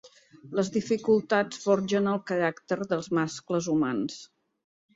Les dificultats forgen el caràcter dels mascles humans.